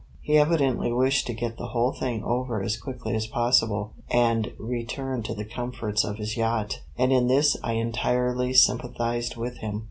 He evidently wished to get the whole thing over as quickly as possible, and return to the comforts of his yacht, and in this I entirely sympathized with him.